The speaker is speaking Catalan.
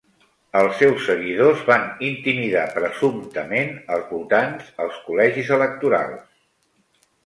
Els seus seguidors van intimidar presumptament els votants als col·legis electorals.